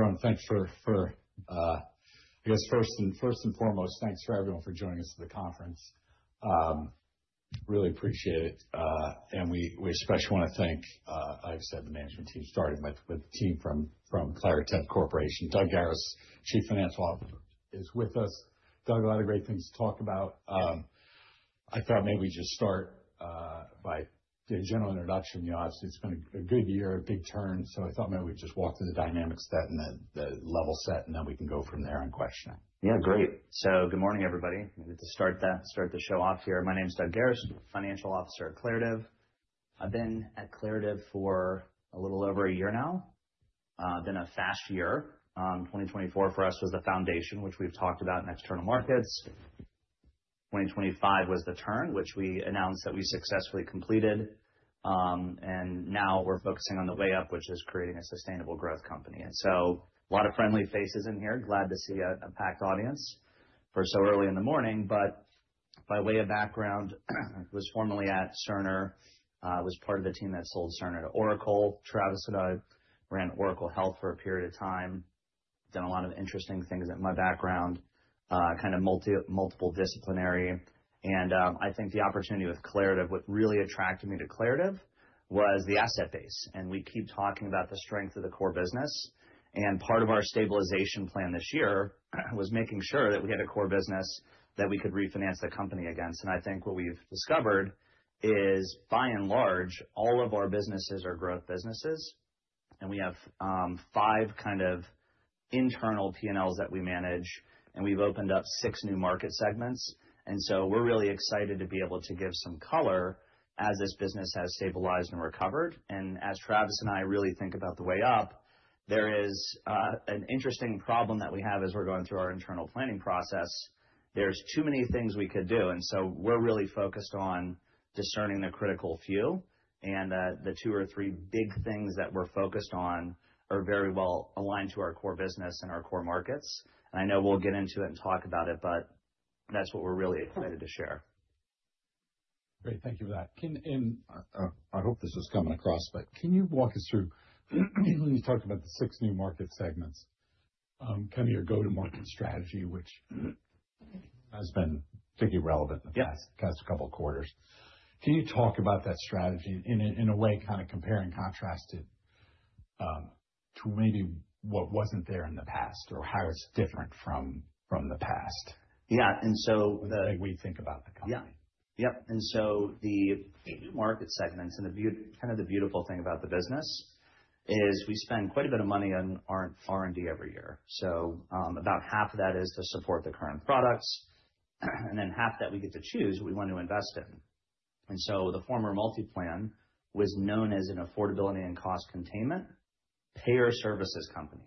Everyone, thanks for, I guess, first and foremost, thanks for everyone for joining us at the conference. Really appreciate it. And we especially want to thank, like I said, the management team, starting with the team from Claritev Corporation. Doug Garis, Chief Financial Officer, is with us. Doug, a lot of great things to talk about. I thought maybe we'd just start by a general introduction. Obviously, it's been a good year, a big turn, so I thought maybe we'd just walk through the dynamics of that and the level set, and then we can go from there and question it. Good morning, everybody. I wanted to start the show off here. My name is Doug Garis, Chief Financial Officer at Claritev. I have been at Claritev for a little over a year now. It's been a fast year. 2024 for us was the foundation, which we've talked about in external markets. 2025 was the turn, which we announced that we successfully completed. Now we're focusing on the way up, which is creating a sustainable growth company. So a lot of friendly faces in here. Glad to see a packed audience for so early in the morning. By way of background, I was formerly at Cerner. I was part of the team that sold Cerner to Oracle. Travis and I ran Oracle Health for a period of time. I've done a lot of interesting things in my background, kind of multidisciplinary. And I think the opportunity with Claritev, what really attracted me to Claritev, was the asset base. And we keep talking about the strength of the core business. And part of our stabilization plan this year was making sure that we had a core business that we could refinance the company against. And I think what we've discovered is, by and large, all of our businesses are growth businesses. And we have five kind of internal P&Ls that we manage. And we've opened up six new market segments. And so we're really excited to be able to give some color as this business has stabilized and recovered. And as Travis and I really think about the way up, there is an interesting problem that we have as we're going through our internal planning process. There's too many things we could do. We're really focused on discerning the critical few. The two or three big things that we're focused on are very well aligned to our core business and our core markets. I know we'll get into it and talk about it, but that's what we're really excited to share. Great. Thank you for that. And I hope this is coming across, but can you walk us through, when you talked about the six new market segments, kind of your go-to-market strategy, which has been particularly relevant in the past couple of quarters? Can you talk about that strategy in a way, kind of compare and contrast it to maybe what wasn't there in the past or how it's different from the past? And so. The way we think about the company. And so the new market segments, and kind of the beautiful thing about the business is we spend quite a bit of money on R&D every year. So about half of that is to support the current products, and then half that we get to choose what we want to invest in. And so the former MultiPlan was known as an affordability and cost containment payer services company.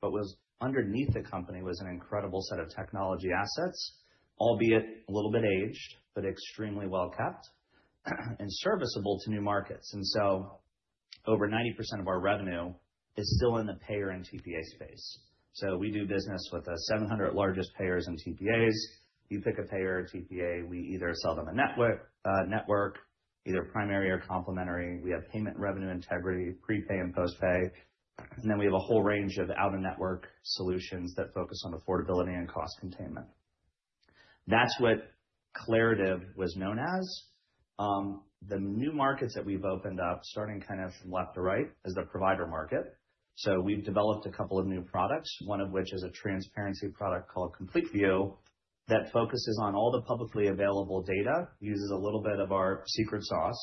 But underneath the company was an incredible set of technology assets, albeit a little bit aged, but extremely well-kept and serviceable to new markets. And so over 90% of our revenue is still in the payer and TPA space. So we do business with the 700 largest payers and TPAs. You pick a payer or TPA, we either sell them a network, either primary or complementary. We have payment revenue integrity, prepay and postpay. And then we have a whole range of out-of-network solutions that focus on affordability and cost containment. That's what Claritev was known as. The new markets that we've opened up, starting kind of from left to right, is the provider market. So we've developed a couple of new products, one of which is a transparency product called CompleteView that focuses on all the publicly available data, uses a little bit of our secret sauce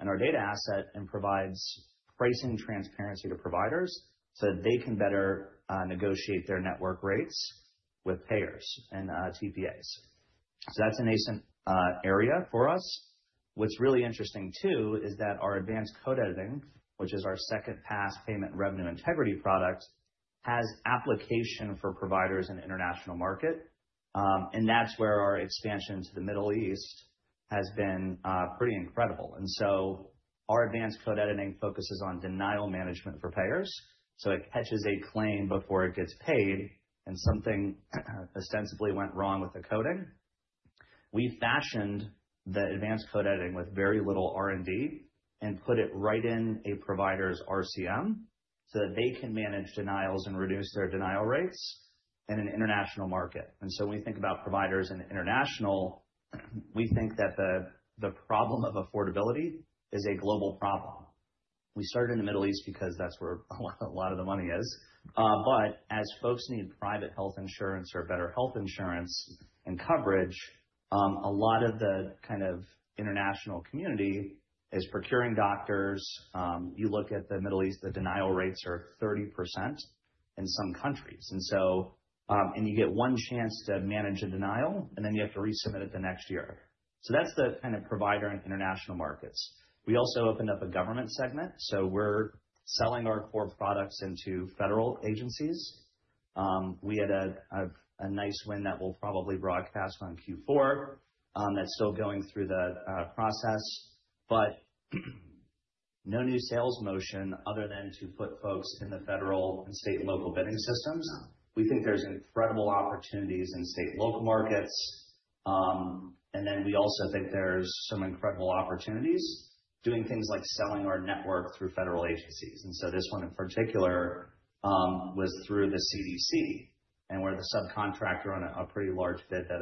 and our data asset, and provides pricing transparency to providers so that they can better negotiate their network rates with payers and TPAs. So that's a nascent area for us. What's really interesting, too, is that our Advanced Code Editing, which is our second-pass payment revenue integrity product, has application for providers in international market. And that's where our expansion to the Middle East has been pretty incredible. And so our Advanced Code Editing focuses on denial management for payers. So it catches a claim before it gets paid and something ostensibly went wrong with the coding. We fashioned the Advanced Code Editing with very little R&D and put it right in a provider's RCM so that they can manage denials and reduce their denial rates in an international market. And so when we think about providers in international, we think that the problem of affordability is a global problem. We started in the Middle East because that's where a lot of the money is. But as folks need private health insurance or better health insurance and coverage, a lot of the kind of international community is procuring doctors. You look at the Middle East, the denial rates are 30% in some countries. And you get one chance to manage a denial, and then you have to resubmit it the next year. So that's the kind of provider in international markets. We also opened up a government segment. So we're selling our core products into federal agencies. We had a nice win that we'll probably broadcast on Q4. That's still going through the process. But no new sales motion other than to put folks in the federal and state and local bidding systems. We think there's incredible opportunities in state and local markets. And then we also think there's some incredible opportunities doing things like selling our network through federal agencies. And so this one in particular was through the CDC, and we're the subcontractor on a pretty large bid that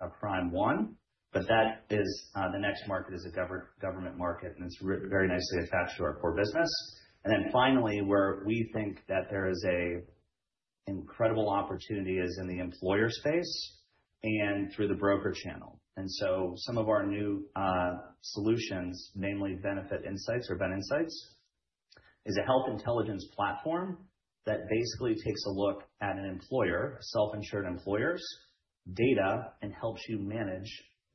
a prime won. But that is the next market is a government market, and it's very nicely attached to our core business. And then finally, where we think that there is an incredible opportunity is in the employer space and through the broker channel. And so some of our new solutions, namely BenInsights, is a health intelligence platform that basically takes a look at an employer, self-insured employers, data, and helps you manage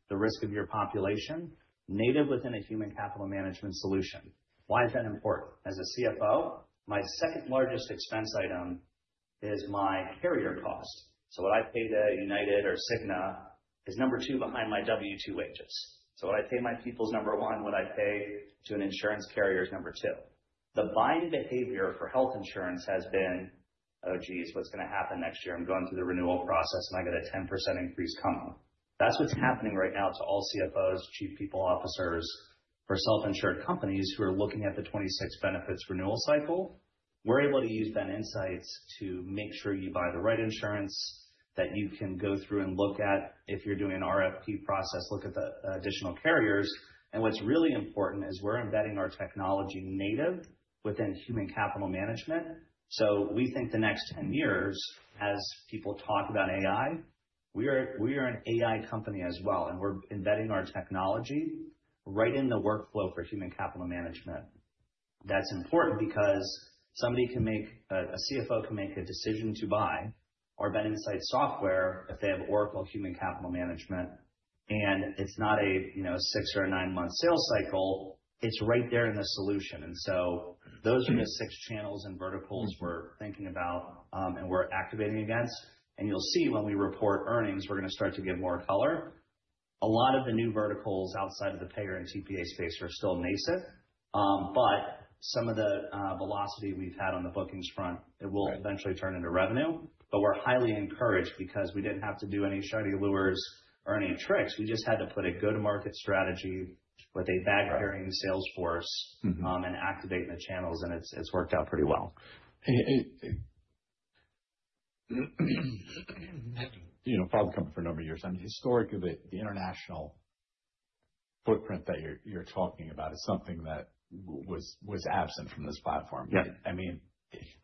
the risk of your population native within a human capital management solution. Why is that important? As a CFO, my second largest expense item is my carrier cost. So what I pay to United or Cigna is number two behind my W-2 wages. So what I pay my people is number one. What I pay to an insurance carrier is number two. The buying behavior for health insurance has been, "Oh, geez, what's going to happen next year? I'm going through the renewal process, and I got a 10% increase coming." That's what's happening right now to all CFOs, Chief People Officers for self-insured companies who are looking at the 26 benefits renewal cycle. We're able to use BenInsights to make sure you buy the right insurance, that you can go through and look at if you're doing an RFP process, look at the additional carriers. And what's really important is we're embedding our technology native within human capital management. So we think the next 10 years, as people talk about AI, we are an AI company as well, and we're embedding our technology right in the workflow for human capital management. That's important because somebody, a CFO, can make a decision to buy our BenInsights software if they have Oracle Human Capital Management, and it's not a six or a nine-month sales cycle. It's right there in the solution. And so those are the six channels and verticals we're thinking about and we're activating against. And you'll see when we report earnings, we're going to start to give more color. A lot of the new verticals outside of the payer and TPA space are still nascent. But some of the velocity we've had on the bookings front, it will eventually turn into revenue. But we're highly encouraged because we didn't have to do any shoddy lures or any tricks. We just had to put a go-to-market strategy with a back-carrying sales force and activate the channels, and it's worked out pretty well. Probably coming for a number of years. Historically, the international footprint that you're talking about is something that was absent from this platform.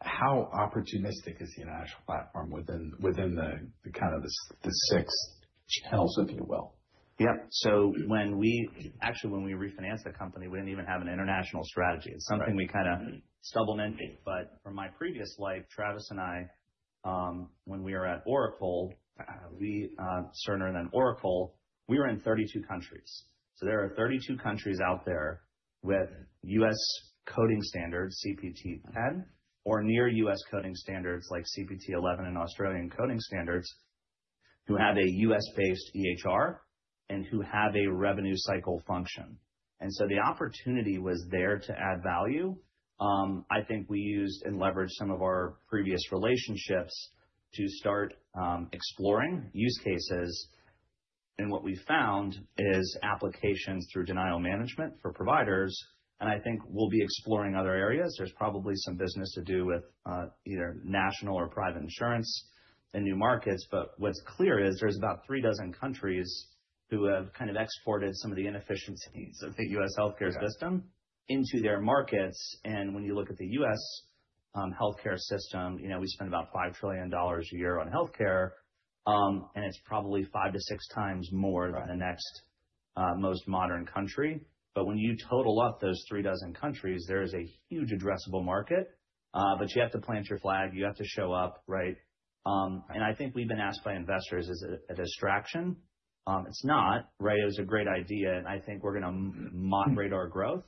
How opportunistic is the international platform within kind of the six channels, if you will? So actually, when we refinanced the company, we didn't even have an international strategy. It's something we kind of supplemented. But from my previous life, Travis and I, when we were at Oracle, Cerner and then Oracle, we were in 32 countries. So there are 32 countries out there with U.S. coding standards, ICD-10, or near U.S. coding standards like ICD-11 and Australian coding standards who have a U.S.-based EHR and who have a revenue cycle function. And so the opportunity was there to add value. I think we used and leveraged some of our previous relationships to start exploring use cases. And what we found is applications through denial management for providers. And I think we'll be exploring other areas. There's probably some business to do with either national or private insurance in new markets. But what's clear is there's about three dozen countries who have kind of exported some of the inefficiencies of the U.S. healthcare system into their markets. And when you look at the U.S. healthcare system, we spend about $5 trillion a year on healthcare. And it's probably five-to-six times more than the next most modern country. But when you total up those three dozen countries, there is a huge addressable market. But you have to plant your flag. You have to show up, right? And I think we've been asked by investors as a distraction. It's not, right? It was a great idea. And I think we're going to moderate our growth.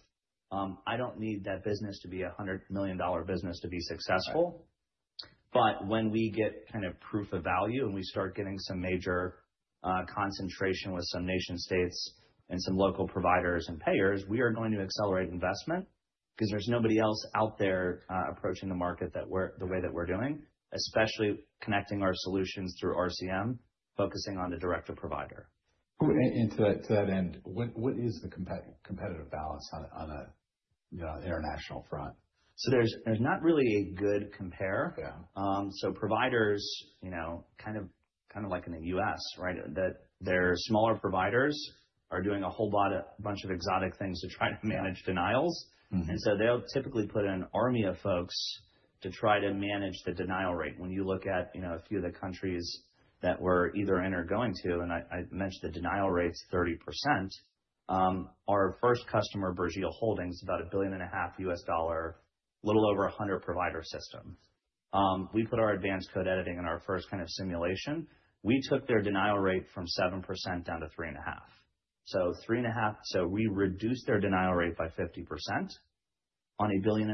I don't need that business to be a $100 million business to be successful. But when we get kind of proof of value and we start getting some major concentration with some nation-states and some local providers and payers, we are going to accelerate investment because there's nobody else out there approaching the market the way that we're doing, especially connecting our solutions through RCM, focusing on the direct-to-provider. And to that end, what is the competitive balance on an international front? So there's not really a good compare. Providers, kind of like in the U.S., right, that their smaller providers are doing a whole bunch of exotic things to try to manage denials. And so they'll typically put in an army of folks to try to manage the denial rate. When you look at a few of the countries that we're either in or going to, and I mentioned the denial rate's 30%, our first customer, Burjeel Holdings, about $1.5 billion, a little over 100 provider systems. We put our Advanced Code Editing in our first kind of simulation. We took their denial rate from 7% down to 3.5%. So 3.5%, so we reduced their denial rate by 50% on a $1.5 billion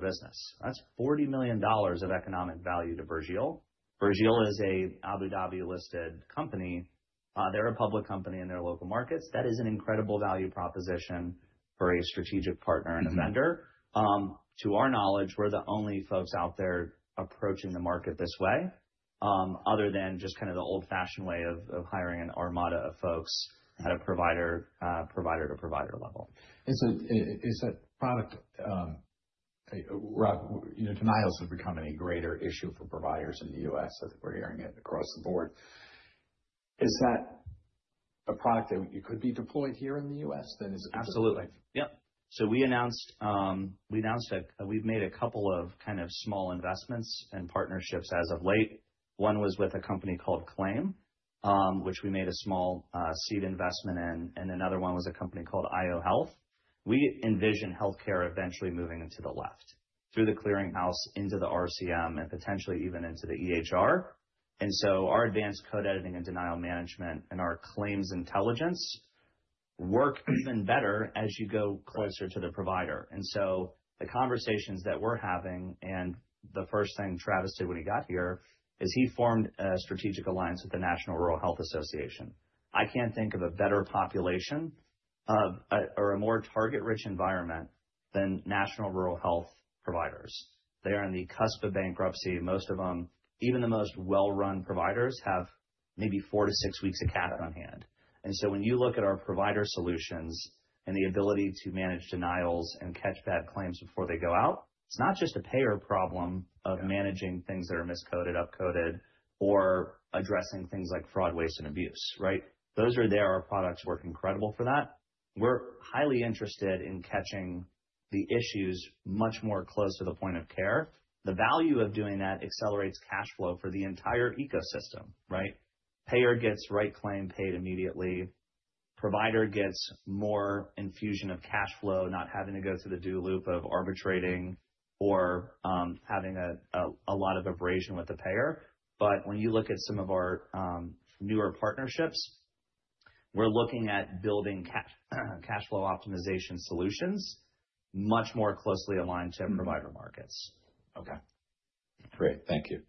business. That's $40 million of economic value to Burjeel. Burjeel is an Abu Dhabi-listed company. They're a public company in their local markets. That is an incredible value proposition for a strategic partner and a vendor. To our knowledge, we're the only folks out there approaching the market this way other than just kind of the old-fashioned way of hiring an armada of folks at a provider-to-provider level. And so, is that product, Rob? Denials have become a greater issue for providers in the U.S. as we're hearing it across the board. Is that a product that could be deployed here in the U.S. then? Absolutely. Yep. So we announced that we've made a couple of kind of small investments and partnerships as of late. One was with a company called Klaim, which we made a small seed investment in, and another one was a company called IO Health. We envision healthcare eventually moving into the left through the clearinghouse into the RCM and potentially even into the EHR. And so our advanced code editing and denial management and our claims intelligence work even better as you go closer to the provider. And so the conversations that we're having, and the first thing Travis did when he got here is he formed a strategic alliance with the National Rural Health Association. I can't think of a better population or a more target-rich environment than National Rural Health providers. They are on the cusp of bankruptcy. Most of them, even the most well-run providers, have maybe four to six weeks of cash on hand. And so when you look at our provider solutions and the ability to manage denials and catch bad claims before they go out, it's not just a payer problem of managing things that are miscoded, upcoded, or addressing things like fraud, waste, and abuse, right? Those are there. Our products work incredible for that. We're highly interested in catching the issues much more close to the point of care. The value of doing that accelerates cash flow for the entire ecosystem, right? Payer gets right claim paid immediately. Provider gets more infusion of cash flow, not having to go through the DO loop of arbitrating or having a lot of abrasion with the payer. But when you look at some of our newer partnerships, we're looking at building cash flow optimization solutions much more closely aligned to provider markets. Great. Thank you.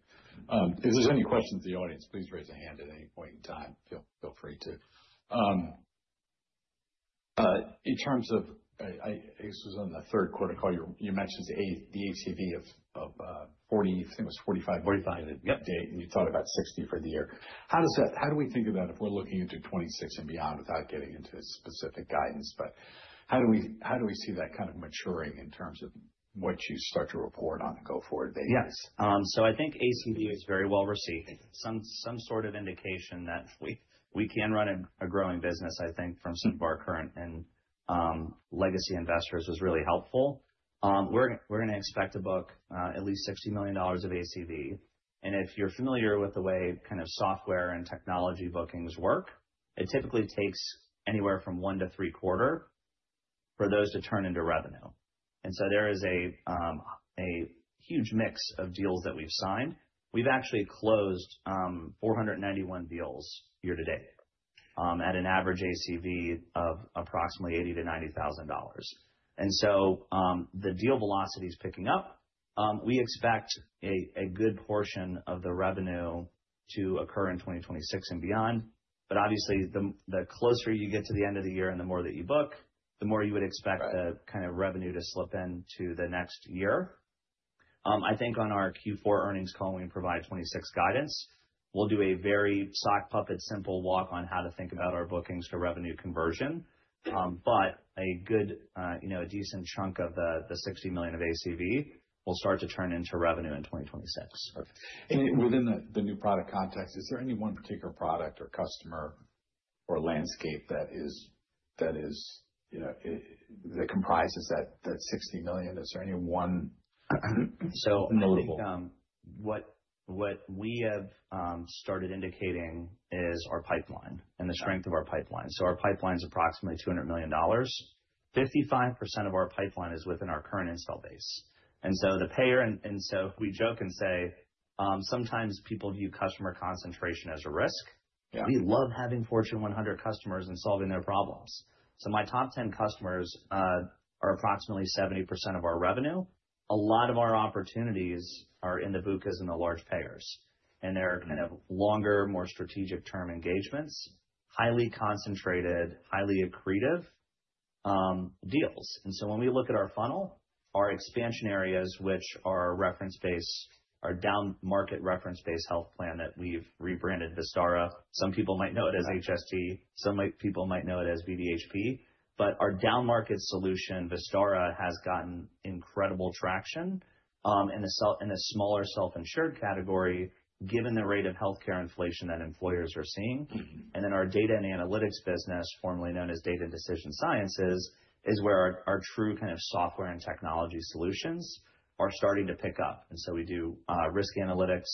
If there's any questions in the audience, please raise a hand at any point in time. Feel free to. In terms of, I guess it was on the Third Quarter call, you mentioned the ACV of 40, I think it was 45, 45 at the date, and you thought about 60 for the year. How do we think about if we're looking into 2026 and beyond without getting into specific guidance, but how do we see that kind of maturing in terms of what you start to report on the go-forward days? Yes, so I think ACV is very well received. Some sort of indication that we can run a growing business, I think, from some of our current and legacy investors was really helpful. We're going to expect to book at least $60 million of ACV, and if you're familiar with the way kind of software and technology bookings work, it typically takes anywhere from one to three quarters for those to turn into revenue, and so there is a huge mix of deals that we've signed. We've actually closed 491 deals year to date at an average ACV of approximately $80,000-$90,000, and so the deal velocity is picking up. We expect a good portion of the revenue to occur in 2026 and beyond. But obviously, the closer you get to the end of the year and the more that you book, the more you would expect the kind of revenue to slip into the next year. I think on our Q4 earnings call, we provide 2026 guidance. We'll do a very straightforward simple walk on how to think about our bookings for revenue conversion. But a good, decent chunk of the $60 million of ACV will start to turn into revenue in 2026. And within the new product context, is there any one particular product or customer or landscape that comprises that $60 million? Is there any one notable? So I think what we have started indicating is our pipeline and the strength of our pipeline. So our pipeline is approximately $200 million. 55% of our pipeline is within our current install base. And so the payer, and so if we joke and say sometimes people view customer concentration as a risk, we love having Fortune 100 customers and solving their problems. So my top 10 customers are approximately 70% of our revenue. A lot of our opportunities are in the BUCAs and the large payers. And they're kind of longer, more strategic-term engagements, highly concentrated, highly accretive deals. And so when we look at our funnel, our expansion areas, which are reference-based, our down-market reference-based health plan that we've rebranded Vistara. Some people might know it as HST. Some people might know it as BDHP. But our down-market solution, Vistara, has gotten incredible traction in a smaller self-insured category given the rate of healthcare inflation that employers are seeing. And then our data and analytics business, formerly known as data and decision sciences, is where our true kind of software and technology solutions are starting to pick up. And so we do risk analytics.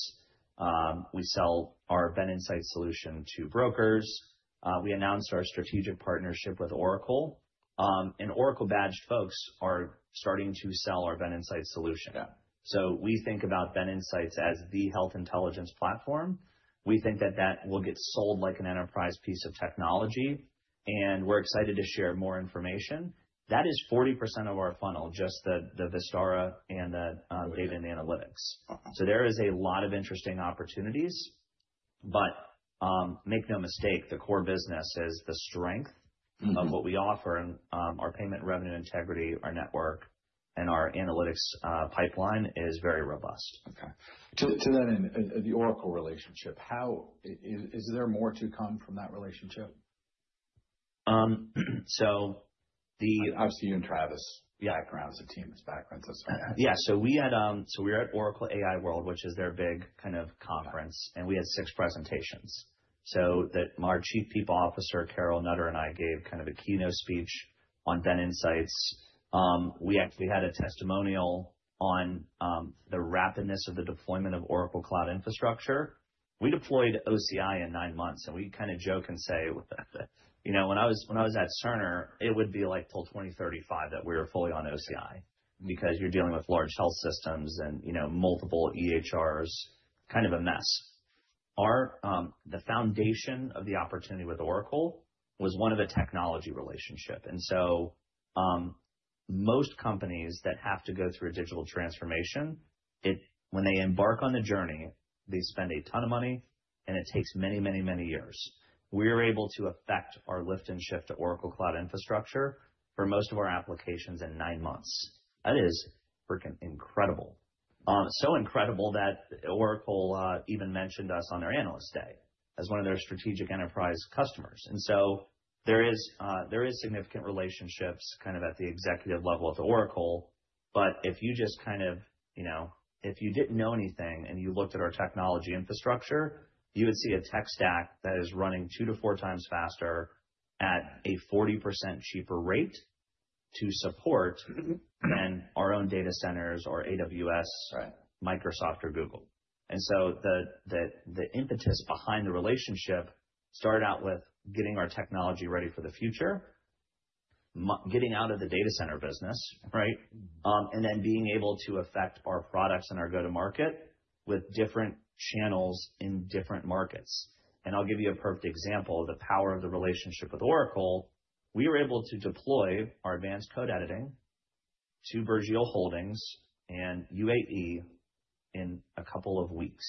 We sell our BenInsights solution to brokers. We announced our strategic partnership with Oracle. And Oracle-badged folks are starting to sell our BenInsights solution. So we think about BenInsights as the health intelligence platform. We think that that will get sold like an enterprise piece of technology. And we're excited to share more information. That is 40% of our funnel, just the Vistara and the data and analytics. So there is a lot of interesting opportunities. But make no mistake, the core business is the strength of what we offer. And our payment revenue integrity, our network, and our analytics pipeline is very robust. To that end, the Oracle relationship, is there more to come from that relationship? So the. Obviously, you and Travis. I can run as a team as background. That's fine. So we were at Oracle AI World, which is their big kind of conference. And we had six presentations. So our Chief People Officer, Carol Nutter, and I gave kind of a keynote speech on BenInsights. We actually had a testimonial on the rapidness of the deployment of Oracle Cloud Infrastructure. We deployed OCI in nine months. And we kind of joke and say, "When I was at Cerner, it would be like till 2035 that we were fully on OCI because you're dealing with large health systems and multiple EHRs, kind of a mess." The foundation of the opportunity with Oracle was one of a technology relationship. And so most companies that have to go through a digital transformation, when they embark on the journey, they spend a ton of money, and it takes many, many, many years. We were able to affect our lift and shift to Oracle Cloud Infrastructure for most of our applications in nine months. That is freaking incredible. So incredible that Oracle even mentioned us on their analyst day as one of their strategic enterprise customers. And so there are significant relationships kind of at the executive level at Oracle. But if you just kind of, if you didn't know anything and you looked at our technology infrastructure, you would see a tech stack that is running two to four times faster at a 40% cheaper rate to support than our own data centers or AWS, Microsoft, or Google. And so the impetus behind the relationship started out with getting our technology ready for the future, getting out of the data center business, right, and then being able to affect our products and our go-to-market with different channels in different markets. I'll give you a perfect example of the power of the relationship with Oracle. We were able to deploy our Advanced Code Editing to Burjeel Holdings and UAE in a couple of weeks.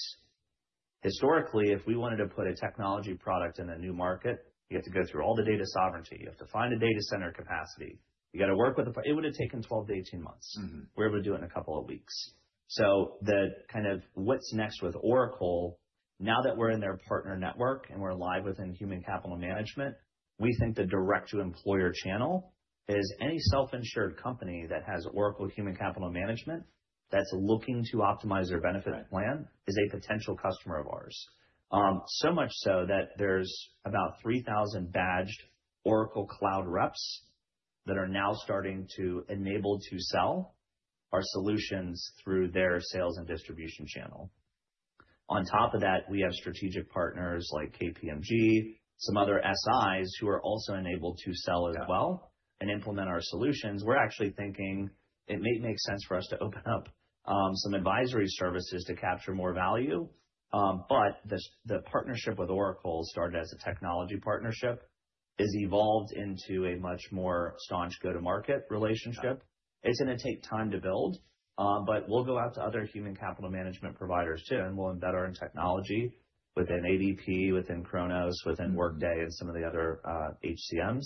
Historically, if we wanted to put a technology product in a new market, you have to go through all the data sovereignty. You have to find a data center capacity. You got to work with a. It would have taken 12-18 months. We're able to do it in a couple of weeks. So the kind of what's next with Oracle, now that we're in their partner network and we're live within human capital management, we think the direct-to-employer channel is any self-insured company that has Oracle human capital management that's looking to optimize their benefits plan is a potential customer of ours. So much so that there's about 3,000 badged Oracle Cloud reps that are now starting to enable to sell our solutions through their sales and distribution channel. On top of that, we have strategic partners like KPMG, some other SIs who are also enabled to sell as well and implement our solutions. We're actually thinking it may make sense for us to open up some advisory services to capture more value. But the partnership with Oracle started as a technology partnership, has evolved into a much more staunch go-to-market relationship. It's going to take time to build. But we'll go out to other human capital management providers too, and we'll embed our own technology within ADP, within Kronos, within Workday, and some of the other HCMs.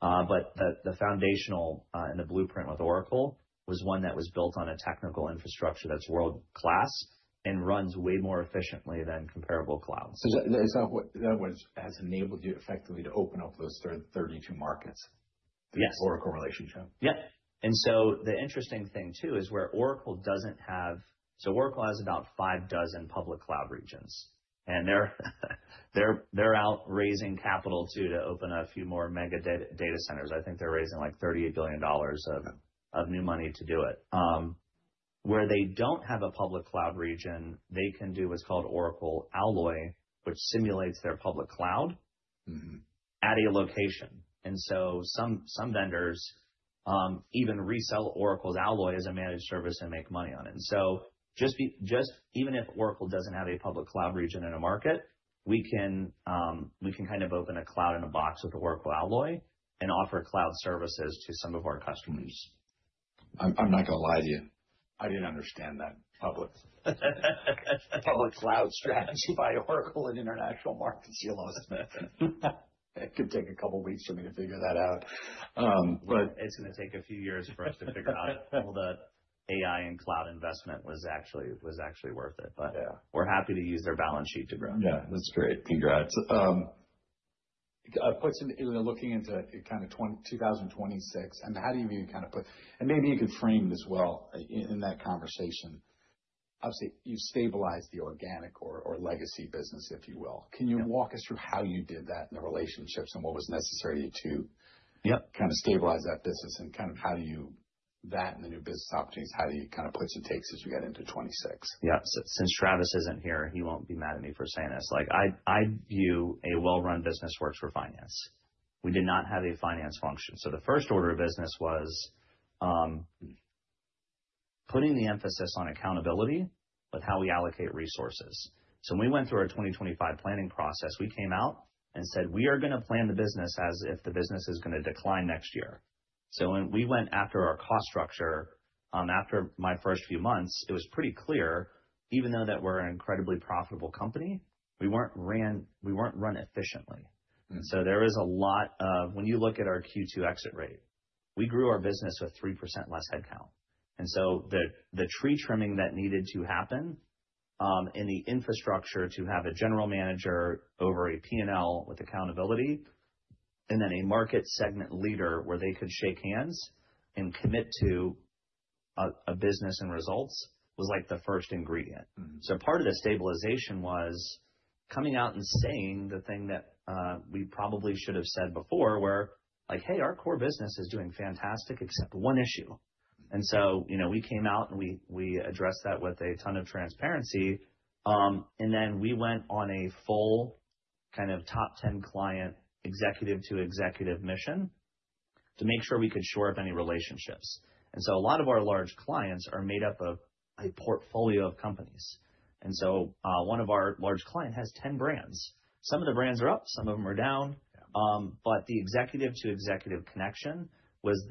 But the foundational and the blueprint with Oracle was one that was built on a technical infrastructure that's world-class and runs way more efficiently than comparable clouds. That has enabled you effectively to open up those 32 markets, the Oracle relationship. And so the interesting thing too is where Oracle doesn't have—so Oracle has about five dozen public cloud regions. And they're out raising capital too to open a few more mega data centers. I think they're raising like $38 billion of new money to do it. Where they don't have a public cloud region, they can do what's called Oracle Alloy, which simulates their public cloud at a location. And so some vendors even resell Oracle's Alloy as a managed service and make money on it. And so just even if Oracle doesn't have a public cloud region in a market, we can kind of open a cloud in a box with Oracle Alloy and offer cloud services to some of our customers. I'm not going to lie to you. I didn't understand that public cloud strategy by Oracle in international markets. You lost it. It could take a couple of weeks for me to figure that out. It's going to take a few years for us to figure out all the AI and cloud investment was actually worth it. But we're happy to use their balance sheet to grow. That's great. Congrats. Looking into kind of 2026, I mean, how do you even kind of put, and maybe you could frame this well in that conversation. Obviously, you've stabilized the organic or legacy business, if you will. Can you walk us through how you did that and the relationships and what was necessary to kind of stabilize that business, and kind of how do you, that and the new business opportunities, how do you kind of puts and takes as you get into '26? Since Travis isn't here, he won't be mad at me for saying this. I view a well-run business works for finance. We did not have a finance function. So the first order of business was putting the emphasis on accountability with how we allocate resources. So when we went through our 2025 planning process, we came out and said, "We are going to plan the business as if the business is going to decline next year." So when we went after our cost structure, after my first few months, it was pretty clear, even though that we're an incredibly profitable company, we weren't run efficiently. When you look at our Q2 exit rate, we grew our business with 3% less headcount. And so the tree trimming that needed to happen in the infrastructure to have a General Manager over a P&L with accountability and then a market segment leader where they could shake hands and commit to a business and results was like the first ingredient. So part of the stabilization was coming out and saying the thing that we probably should have said before where, "Hey, our core business is doing fantastic except one issue." And so we came out and we addressed that with a ton of transparency. And then we went on a full kind of top 10 client executive-to-executive mission to make sure we could shore up any relationships. And so a lot of our large clients are made up of a portfolio of companies. And so one of our large clients has 10 brands. Some of the brands are up. Some of them are down. But the executive-to-executive connection was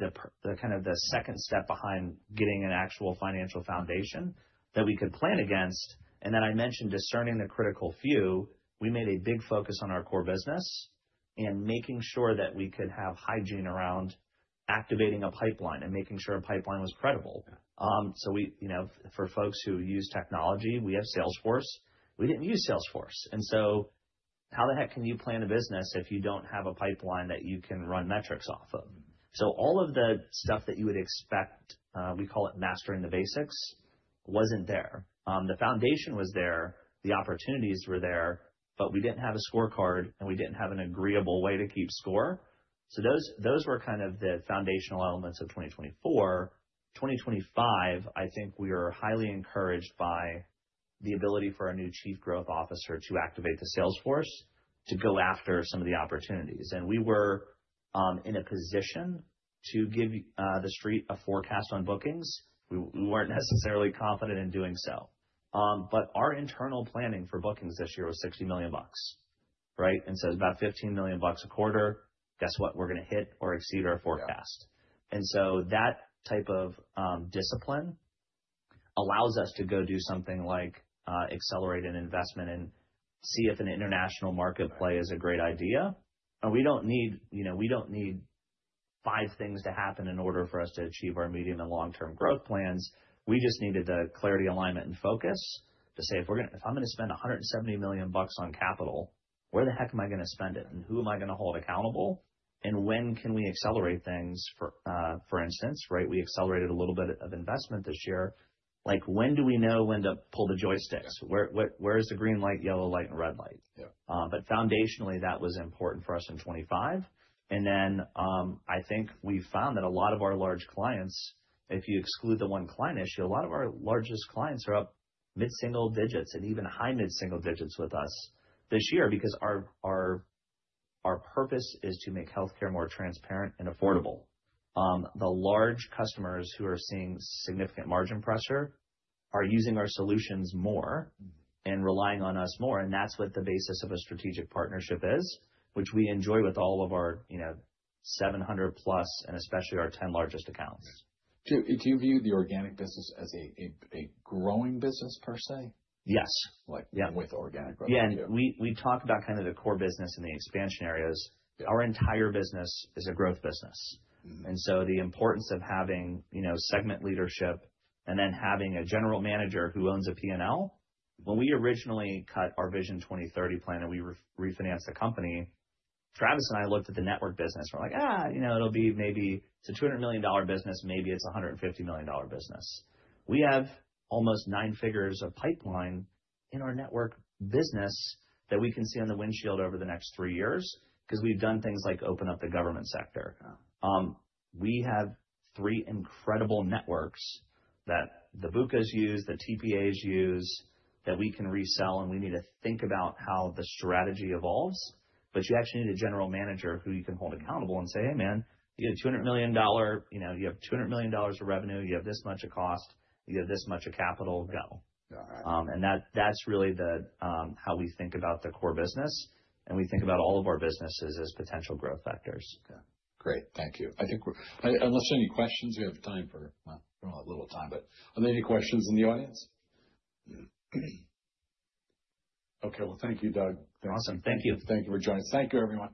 kind of the second step behind getting an actual financial foundation that we could plan against. And then I mentioned discerning the critical few. We made a big focus on our core business and making sure that we could have hygiene around activating a pipeline and making sure a pipeline was credible. So for folks who use technology, we have Salesforce. We didn't use Salesforce. And so how the heck can you plan a business if you don't have a pipeline that you can run metrics off of? So all of the stuff that you would expect, we call it mastering the basics, wasn't there. The foundation was there. The opportunities were there. But we didn't have a scorecard, and we didn't have an agreeable way to keep score. So those were kind of the foundational elements of 2024. 2025, I think we are highly encouraged by the ability for our new Chief Growth Officer to activate the Salesforce to go after some of the opportunities. And we were in a position to give the street a forecast on bookings. We weren't necessarily confident in doing so. But our internal planning for bookings this year was $60 million, right? And so it was about $15 million a quarter. Guess what? We're going to hit or exceed our forecast. And so that type of discipline allows us to go do something like accelerate an investment and see if an international market play is a great idea. And we don't need—we don't need five things to happen in order for us to achieve our medium and long-term growth plans. We just needed the clarity, alignment, and focus to say, "If I'm going to spend $170 million on capital, where the heck am I going to spend it? And who am I going to hold accountable? And when can we accelerate things?" For instance, right, we accelerated a little bit of investment this year. When do we know when to pull the joysticks? Where is the green light, yellow light, and red light? But foundationally, that was important for us in 2025. And then I think we found that a lot of our large clients, if you exclude the one client issue, a lot of our largest clients are up mid-single digits and even high mid-single digits with us this year because our purpose is to make healthcare more transparent and affordable. The large customers who are seeing significant margin pressure are using our solutions more and relying on us more, and that's what the basis of a strategic partnership is, which we enjoy with all of our 700-plus and especially our 10 largest accounts. Do you view the organic business as a growing business per se? Yes. Like with organic growth? We talk about kind of the core business and the expansion areas. Our entire business is a growth business. And so the importance of having segment leadership and then having a General Manager who owns a P&L. When we originally cut our Vision 2030 plan and we refinanced the company, Travis and I looked at the network business. We're like, it'll be maybe it's a $200 million business. Maybe it's a $150 million business. We have almost nine figures of pipeline in our network business that we can see on the windshield over the next three years because we've done things like open up the government sector. We have three incredible networks that the BUCAs use, the TPAs use that we can resell. And we need to think about how the strategy evolves. But you actually need a General Manager who you can hold accountable and say, "Hey, man, you have $200 million. You have $200 million of revenue. You have this much of cost. You have this much of capital. Go." And that's really how we think about the core business. And we think about all of our businesses as potential growth factors. Okay. Great. Thank you. I think unless there's any questions, we have time for, well, we don't have a little time. But are there any questions in the audience? Okay. Well, thank you, Doug. Awesome. Thank you. Thank you for joining us. Thank you, everyone.